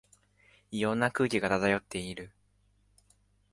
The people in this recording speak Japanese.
異様な空気が漂っている